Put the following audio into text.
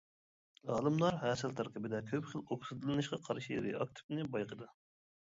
ئالىملار ھەسەل تەركىبىدە كۆپ خىل ئوكسىدلىنىشقا قارشى رېئاكتىپنى بايقىدى.